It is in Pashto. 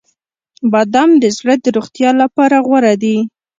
• بادام د زړه د روغتیا لپاره غوره دي.